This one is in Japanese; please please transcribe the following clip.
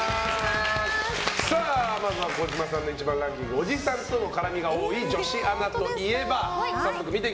まずは小島さんの１番ランキングおじさんとの絡みが多い女子アナといえば？